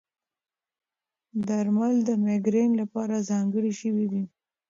درمل د مېګرین لپاره ځانګړي شوي دي.